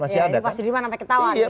pak sudirman sampai ketawar